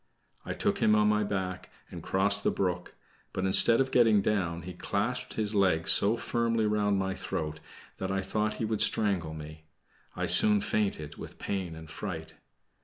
I took him on my back, and crossed the brook, but instead of getting down, he clasped his legs so firmly round my throat that I thought he would strangle me. I soon fainted with pain and fright.